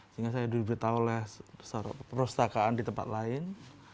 sehingga saya diberitahu oleh perpustakaan di tempat lain